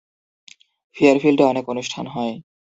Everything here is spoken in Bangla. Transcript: ফেয়ারফিল্ডে অনেক অনুষ্ঠান হয়।